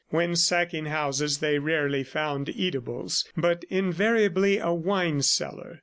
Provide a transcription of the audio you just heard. When sacking houses they rarely found eatables, but invariably a wine cellar.